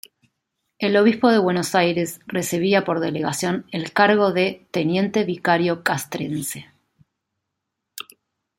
El obispo de Buenos Aires recibía por delegación el cargo de "teniente vicario castrense".